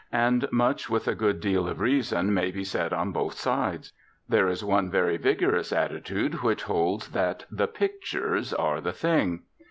And much with a good deal of reason may be said on both sides. There is one very vigorous attitude which holds that the pictures are the thing.